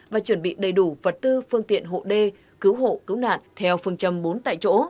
và chuẩn bị đầy đủ vật tư phương tiện hộ đê cứu hộ cứu nạn theo phương châm bốn tại chỗ